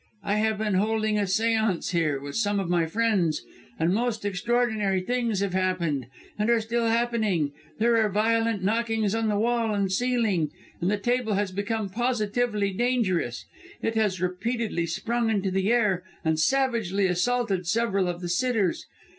I have been holding a séance here, with some of my friends, and most extraordinary things have happened, and are still happening. There are violent knockings on the wall and ceiling, and the table has become positively dangerous. It has repeatedly sprung into the air, and savagely assaulted several of the sitters.